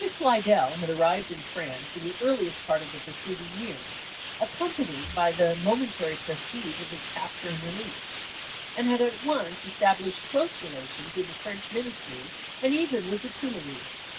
Slidell had arrived in France in the early part of the preceding year accompanied by the momen tary prestige of his capture and release, and had at once established close relations with the French Ministry and even with the Tuileries.